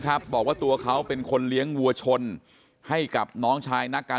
บอกว่าตัวเขาเป็นคนเลี้ยงวัวชนให้กับน้องชายนักการ